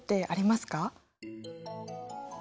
あります。